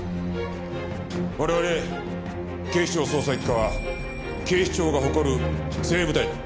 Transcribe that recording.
我々警視庁捜査一課は警視庁が誇る精鋭部隊だ。